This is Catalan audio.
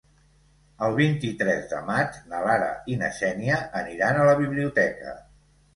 El vint-i-tres de maig na Lara i na Xènia aniran a la biblioteca.